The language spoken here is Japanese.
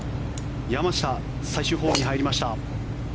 山下、最終ホールに入りました。